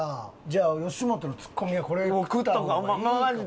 じゃあ吉本のツッコミはこれ食った方がいいかもな。